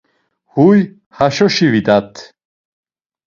Hus haşoşi vidat.